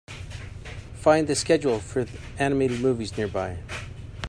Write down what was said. Find the schedule for animated movies nearby